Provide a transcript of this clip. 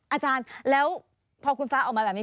อาจารย์แล้วพอคุณฟ้าออกมาแบบนี้